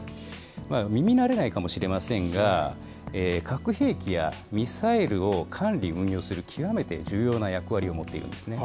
耳慣れないかもしれませんが、核兵器やミサイルを管理・運用する、極めて重要な役割を持っているんですね。